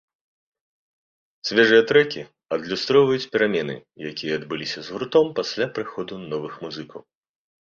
Свежыя трэкі адлюстроўваюць перамены, якія адбыліся з гуртом пасля прыходу новых музыкаў.